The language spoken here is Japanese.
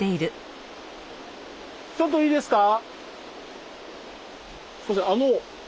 ちょっといいですか？